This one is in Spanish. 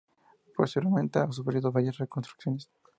Posteriormente ha sufrido varias reconstrucciones.